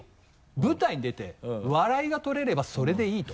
舞台に出て笑いが取れればそれでいいと。